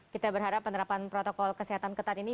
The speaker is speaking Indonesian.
kita berharap penerapan protokol kesehatan ketat ini